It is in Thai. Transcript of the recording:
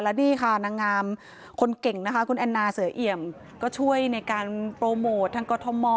และนี่ค่ะนางงามคนเก่งนะคะคุณแอนนาเสือเอี่ยมก็ช่วยในการโปรโมททางกรทม